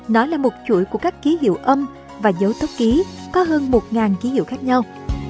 nó là một chuỗi của các ký hiệu âm và dấu tốt ký có hơn một ký hiệu khác nhau